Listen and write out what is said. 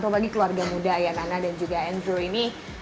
apalagi keluarga muda ya nana dan juga andrew ini